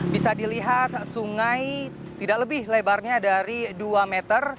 bisa dilihat sungai tidak lebih lebarnya dari dua meter